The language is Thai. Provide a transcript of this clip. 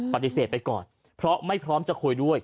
ปฏิเสธไปก่อนเพราะไม่พร้อมจะคุยด้วย